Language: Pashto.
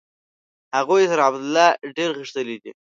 هغوی تر عبدالله ډېر غښتلي دي.